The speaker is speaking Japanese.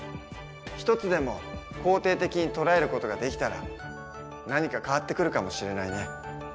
一つでも肯定的に捉える事ができたら何か変わってくるかもしれないね。